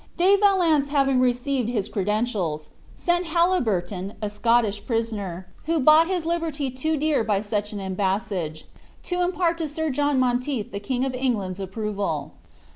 De Valence having received his credentials, sent Haliburton (a Scottish prisoner, who bought his liberty too dear by such an embassage) to impart to Sir John Monteith the King of England's approval.